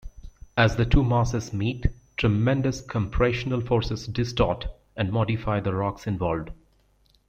As the two masses meet, tremendous compressional forces distort and modify the rocks involved.